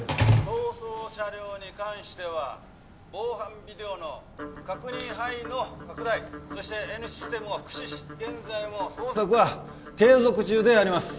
逃走車両に関しては防犯ビデオの確認範囲の拡大そしてＮシステムを駆使し現在も捜索は継続中であります。